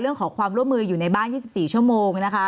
ขอความร่วมมืออยู่ในบ้าน๒๔ชั่วโมงนะคะ